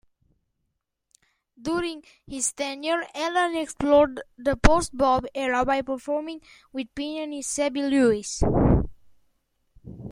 During his tenure, Alan explored the post-bop era by performing with pianist Sabby Lewis.